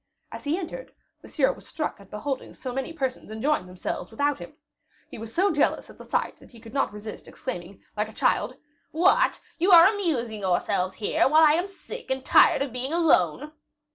As he entered, Monsieur was struck at beholding so many persons enjoying themselves without him. He was so jealous at the sight that he could not resist exclaiming, like a child, "What! you are amusing yourselves here, while I am sick and tired of being alone!"